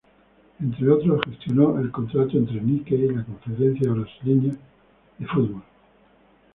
Entre otros, gestionó el contrato entre Nike y la Confederación Brasileña de Fútbol.